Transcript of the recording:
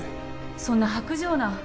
そんな薄情な！